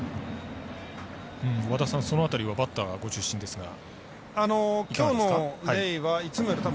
和田さん、その辺りはバッターご出身ですがいかがですか。